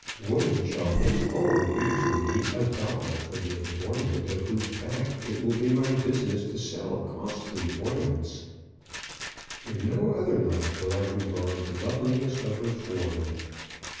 Woman shall henceforward be to me a doll for the adornment of whose back it will be my business to sell costly ornaments. In no other light will I regard the loveliness of her form.